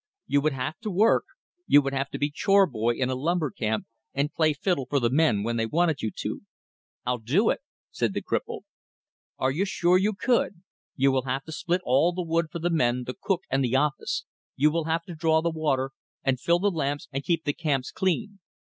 "You would have to work. You would have to be chore boy in a lumber camp, and play fiddle for the men when they wanted you to." "I'll do it," said the cripple. "Are you sure you could? You will have to split all the wood for the men, the cook, and the office; you will have to draw the water, and fill the lamps, and keep the camps clean.